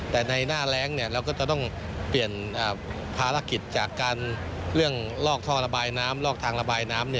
แต่ในหน้าแรงเราก็จะต้องเปลี่ยนภารกิจจากการเรื่องลอกท่อระบายน้ำลอกทางระบายน้ำ